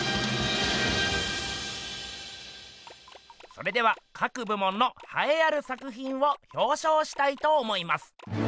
それでは各部門のはえある作品をひょうしょうしたいと思います。